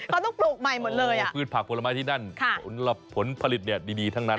เขาต้องปลูกใหม่หมดเลยพืชผักผลไม้ที่นั่นผลผลิตเนี่ยดีทั้งนั้น